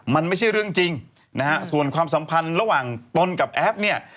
มันไม่ใช่เรื่องจริงนะฮะส่วนความสัมพันธ์ระหว่างตนกับแอฟเนี่ย